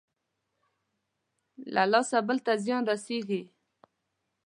له لاسه بل ته زيان رسېږي.